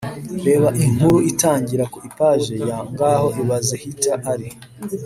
Reba inkuru itangira ku ipaji ya Ngaho ibaze Heather ari